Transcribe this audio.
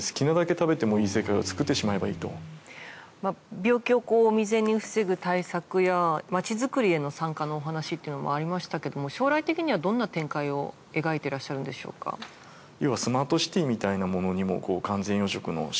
病気を未然に防ぐ対策や街づくりへの参加のお話っていうのもありましたけども将来的にはどんな展開を描いてらっしゃるんでしょうか？と思ってるんですけれども。